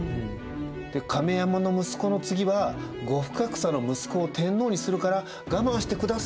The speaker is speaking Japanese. で「亀山の息子の次は後深草の息子を天皇にするから我慢してくださいよ」。